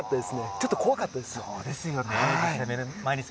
ちょっと怖かったですよ。